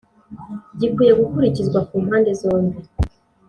gikwiye gukurikizwa ku mpande zombi.